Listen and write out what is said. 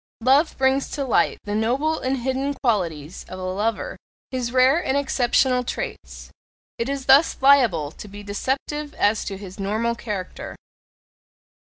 Love brings to light the noble and hidden qualities of a lover his rare and exceptional traits: it is thus liable to be deceptive as to his normal character.